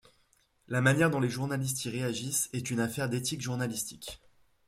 La manière dont les journalistes y réagissent est une affaire d'éthique journalistique.